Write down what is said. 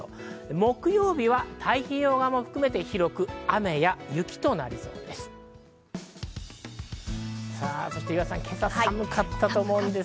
木曜日は太平洋側も含めて雨や雪となりそうです。